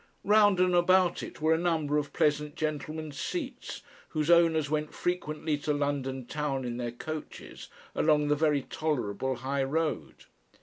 Round and about it were a number of pleasant gentlemen's seats, whose owners went frequently to London town in their coaches along the very tolerable high road.